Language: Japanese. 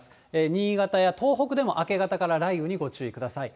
新潟や東北でも明け方から雷雨にご注意ください。